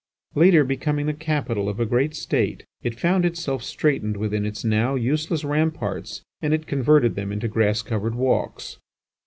Later, becoming the capital of a great State, it found itself straitened within its now useless ramparts and it converted them into grass covered walks.